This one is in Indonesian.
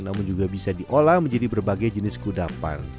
namun juga bisa diolah menjadi berbagai jenis kudapan